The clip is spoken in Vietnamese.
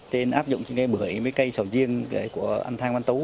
trên áp dụng cái bưởi mấy cây sầu riêng của anh thang văn tú